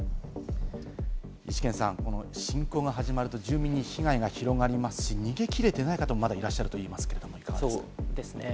イシケンさん、この侵攻が始まる住民に被害が広がりますし、逃げ切れていない方もまだいらっしゃると言いましたけれども、いかがですか？